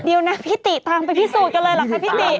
เดี๋ยวนะพี่ติตามไปพิสูจน์กันเลยเหรอคะพี่ติ